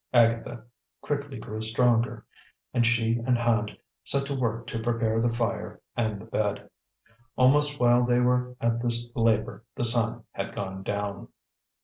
Agatha quickly grew stronger; and she and Hand set to work to prepare the fire and the bed. Almost while they were at this labor, the sun had gone down.